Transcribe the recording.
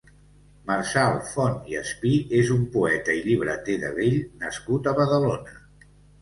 Marçal Font i Espí és un poeta i llibreter de vell nascut a Badalona.